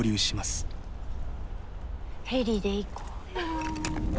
ヘリで行こうよ。